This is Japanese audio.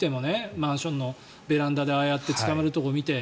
マンションのベランダでああやって捕まっているところを見て。